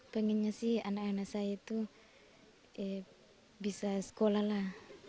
pengennya sih anak anak saya itu bisa sekolah lah